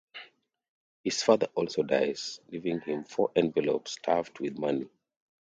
His father also dies, leaving him four envelopes stuffed with money.